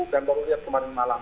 baru lihat kemarin malam